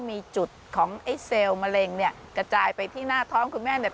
มีจุดของไอ้เซลล์มะเร็งเนี่ยกระจายไปที่หน้าท้องคุณแม่เนี่ย